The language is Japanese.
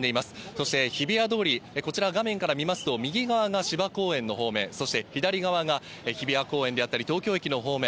そして日比谷通り、こちら、画面から見ますと右側が芝公園の方面、そして左側が日比谷公園であったり、東京駅の方面。